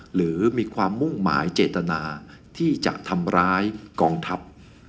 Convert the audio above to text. หรือมีความมุ่งหมายเจตนาที่จะทำร้ายกองทัพ